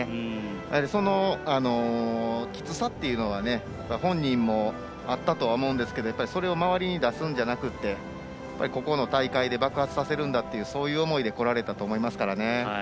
やはり、そのきつさっていうのは本人もあったとは思うんですけどそれを周りに出すんじゃなくてこの大会で爆発させるんだというその思いでこられたと思いますからね。